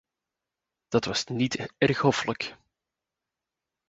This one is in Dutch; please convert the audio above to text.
Dat was niet erg hoffelijk.